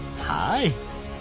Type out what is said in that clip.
はい。